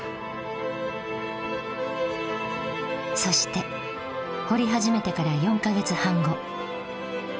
そして掘り始めてから４か月半後。